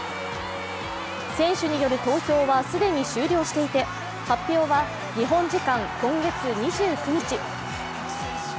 選手による投票は既に終了していて発表は日本時間今月２９日。